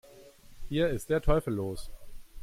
Hier ist der Teufel los